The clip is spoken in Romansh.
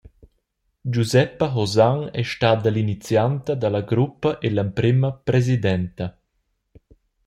Giuseppa Hosang ei stada l’inizianta dalla gruppa e l’emprema presidenta.